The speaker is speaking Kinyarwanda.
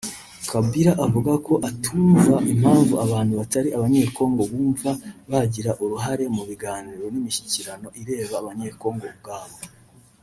Kabila avuga ko atumva impamvu abantu batari abanyekongo bumva bagira uruhare mu biganiro n’imishyikirano ireba abanyekongo ubwabo